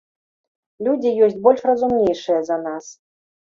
Людзі ёсць больш разумнейшыя за нас.